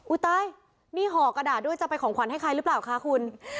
ตายนี่ห่อกระดาษด้วยจะไปของขวัญให้ใครหรือเปล่าคะคุณ